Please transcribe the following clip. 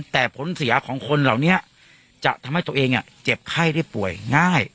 แต่ผลเสียของคนเหล่านี้จะทำให้ตัวเองเจ็บไข้ได้ป่วยง่าย